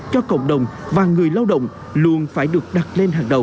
cho cộng đồng và người lao động luôn phải được đặt lên hàng đầu